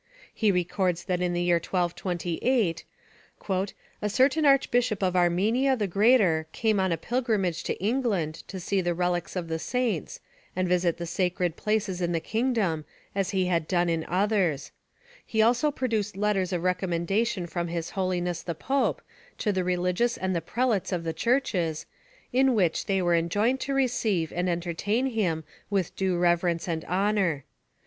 He records that in the year 1228, "a certain Archbishop of Armenia the Greater came on a pilgrimage to England to see the relics of the saints, and visit the sacred places in the kingdom, as he had done in others; he also produced letters of recommendation from his Holiness the Pope, to the religious and the prelates of the churches, in which they were enjoined to receive and entertain him with due reverence and honor.